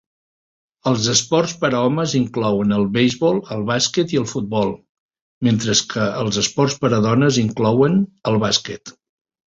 Els esports per a homes inclouen el beisbol, el bàsquet i el futbol; mentre que els esports per a dones inclouen el bàsquet.